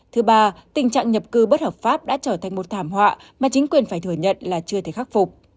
thứ ba tình trạng nhập cư bất hợp pháp đã trở thành một thảm họa mà chính quyền phải thừa nhận là chưa thể khắc phục